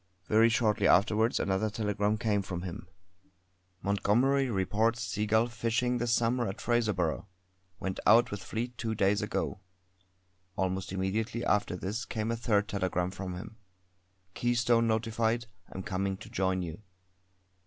Very shortly afterwards another telegram came from him: "Montgomery reports Seagull fishing this summer at Fraserburgh. Went out with fleet two days ago." Almost immediately after this came a third telegram from him: "Keystone notified. Am coming to join you."